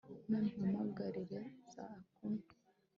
mumpamagarire za nkumi